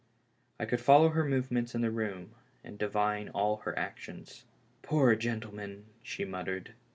I could follow her movements in the room and divine all her actions. "Poor gentleman!" she muttered.